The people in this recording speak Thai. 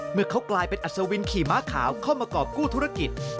เมื่อเขากลายเป็นอัศวินขี่ม้าขาวเข้ามากรอบกู้ธุรกิจ